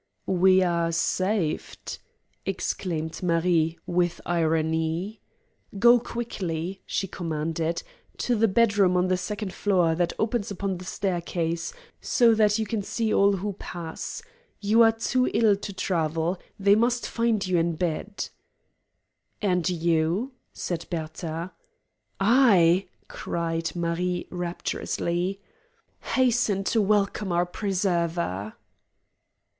"We are saved!" exclaimed Marie, with irony. "Go quickly," she commanded, "to the bedroom on the second floor that opens upon the staircase, so that you can see all who pass. You are too ill to travel. They must find you in bed." "And you?" said Bertha. "I," cried Marie rapturously, "hasten to welcome our preserver!"